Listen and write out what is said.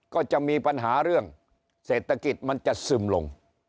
ก็จะมีปัญหาเรื่องเศรษฐกิจมันจะซึมลง